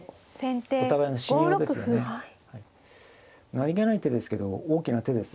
何気ない手ですけど大きな手です。